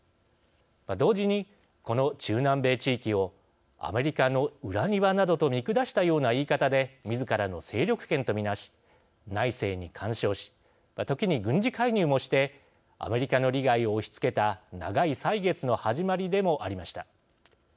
同時に、この中南米地域をアメリカの裏庭などと見下したような言い方でみずからの勢力圏と見なし内政に干渉し時に軍事介入もしてアメリカの利害を押しつけた長い歳月の始まりでもありました。